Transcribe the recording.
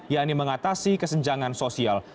yaitu mengatasi kesenjangan sosial